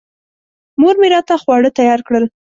مور مې راته خواړه تیار کړل.